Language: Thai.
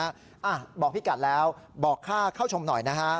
อ่ะบอกพี่กัดแล้วบอกค่าเข้าชมหน่อยนะฮะ